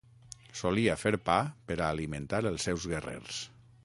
Solia fer pa per a alimentar els seus guerrers.